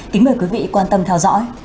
kính mời quý vị quan tâm theo dõi